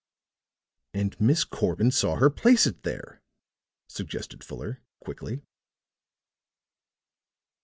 "And Miss Corbin saw her place it there," suggested Fuller, quickly.